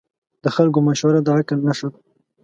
د خلکو مشوره د عقل نښه ده.